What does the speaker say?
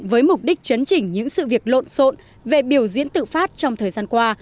với mục đích chấn chỉnh những sự việc lộn xộn về biểu diễn tự phát trong thời gian qua